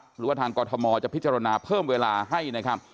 หรือว่าทางกรทมจะพิจารณาเพิ่มเวลาให้นะครับ